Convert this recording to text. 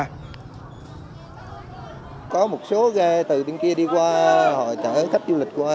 có một số ghe từ bên kia đi qua hội chở khách du lịch qua